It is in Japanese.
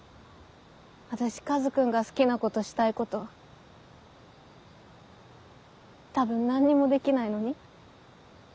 私カズくんが好きなことしたいこと多分何もできないのに？